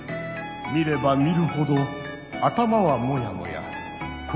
見れば見るほど頭はモヤモヤ心もモヤモヤ。